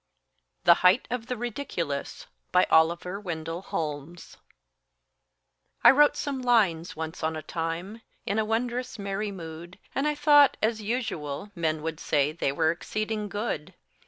THE HEIGHT OF THE RIDICULOUS BY OLIVER WENDELL HOLMES I wrote some lines once on a time In wondrous merry mood, And thought, as usual, men would say They were exceeding good.